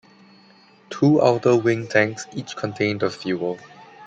Two outer wing tanks each contained of fuel.